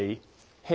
はい。